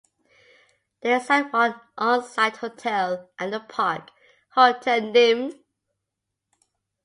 There is one on-site hotel at the park: Hotel Nimb.